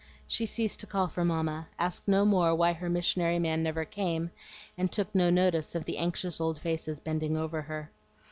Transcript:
She ceased to call for Mamma, asked no more why her "missionary man" never came, and took no notice of the anxious old faces bending over her.